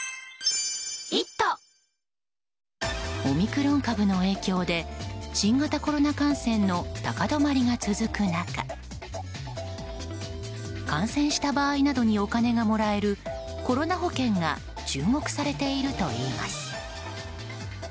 オミクロン株の影響で新型コロナ感染の高止まりが続く中感染した場合などにお金がもらえるコロナ保険が注目されているといいます。